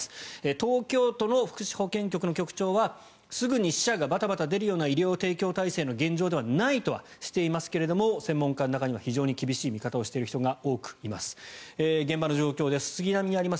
東京都の福祉保健局の局長はすぐに死者がバタバタ出るような医療提供体制の状況ではないと専門家の中には非常に厳しい見方をしている方が多くいます。